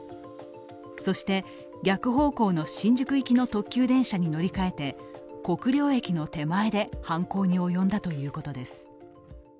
そして逆方向の新宿行きの特急電車に乗り換えて国領駅の手前で犯行に及んだということです。